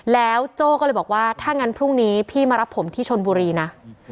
แล้วโจ้ก็เลยบอกว่าถ้างั้นพรุ่งนี้พี่มารับผมที่ชนบุรีนะ